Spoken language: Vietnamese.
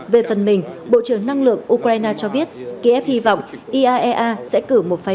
về phần mình bộ trưởng năng lượng ukraine cho biết ký ép hy vọng iaea sẽ cử một phái